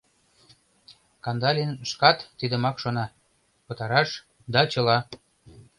Кандалин шкат тидымак шона: «Пытараш — да чыла!»